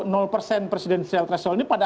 nol persen presiden sial trashol ini pada